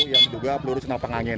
yang juga peluru senapang angin